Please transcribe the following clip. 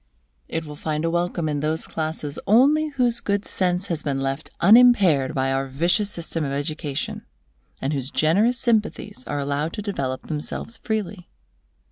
It will find a welcome in those classes only whose good sense has been left unimpaired by our vicious system of education, and whose generous sympathies are allowed to develop themselves freely.